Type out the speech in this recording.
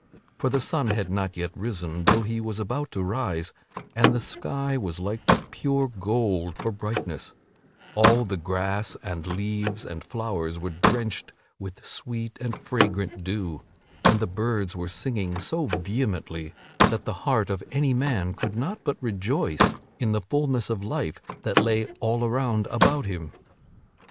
For the sun had not yet risen, though he was about to rise, and the sky was like to pure gold for brightness; all the grass and leaves and flowers were drenched with sweet and fragrant dew, and the birds were singing so vehemently that the heart of any man could not but rejoice in the fulness of life that lay all around about him.